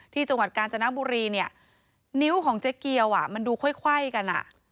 ที่จังหวัดกาญจนบุรีนี่นิ้วของเจ๊เกียวมันดูไขว้กัน